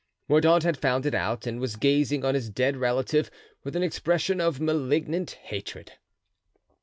Mordaunt had found it out and was gazing on his dead relative with an expression of malignant hatred.